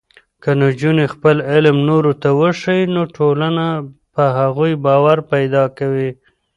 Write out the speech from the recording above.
که نجونې خپل علم نورو ته وښيي، نو ټولنه په هغوی باور پیدا کوي.